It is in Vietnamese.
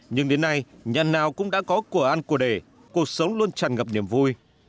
nhưng đến nay nhà nào cũng đã có cửa ăn của để cuộc sống luôn tràn ngập niềm vui